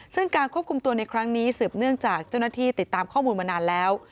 ซึ่งการควบคุมตัวในครั้งนี้สืบเนื่องจากเจ้าหน้าที่ติดตามข้อมูลมานานแล้ว